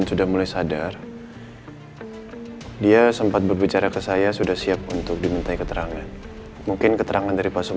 sampai jumpa di video selanjutnya